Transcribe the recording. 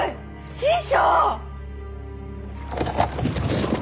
師匠！